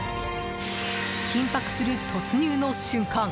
緊迫する突入の瞬間